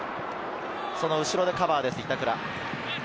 その後ろでカバーです、板倉。